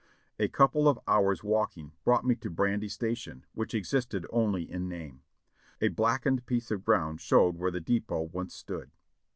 A couple of hours' walking brought me to Brandy Station, which existed only in name. A blackened piece of ground showed where the depot once stood.